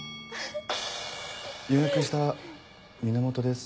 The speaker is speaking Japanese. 予約した源です。